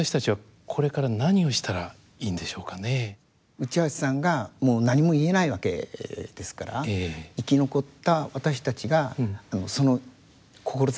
内橋さんがもう何も言えないわけですから生き残った私たちがその志を引き継ぐとすればですね